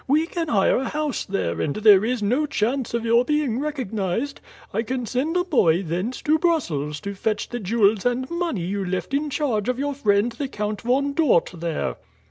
We can hire a house there, and there is no chance of your being recognized. I can send a boy thence to Brussels to fetch the jewels and money you left in charge of your friend the Count Von Dort there."